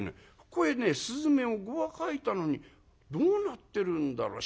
ここへね雀を５羽描いたのにどうなってるんだろう」。